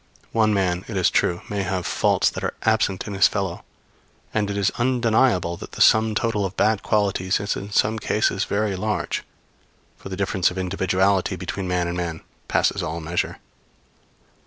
One man, it is true, may have faults that are absent in his fellow; and it is undeniable that the sum total of bad qualities is in some cases very large; for the difference of individuality between man and man passes all measure.